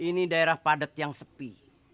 ini daerah padat yang sepi